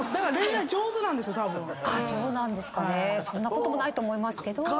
そんなこともないと思いますけど。